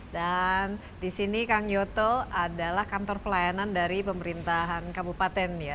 dan di sini kang nyoto adalah kantor pelayanan dari pemerintahan kabupaten ya